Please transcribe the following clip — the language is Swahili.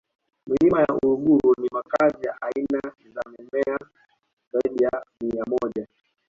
milima ya uluguru ni makazi ya aina za mimea zaidi ya mia moja